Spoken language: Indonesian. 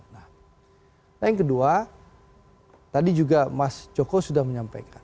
nah yang kedua tadi juga mas joko sudah menyampaikan